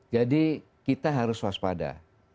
jadi kita harus waspada